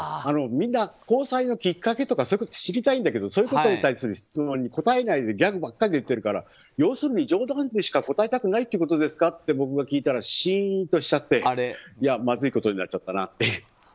みんな交際のきっかけとか知りたいんだけどそういうことに対する質問に答えないでギャグばっかり言ってるから要するに冗談でしか答えたくないということですかって僕が聞いたらしーんとしちゃってまずいことになっちゃったなって。